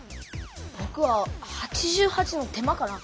ぼくは「８８の手間」かな。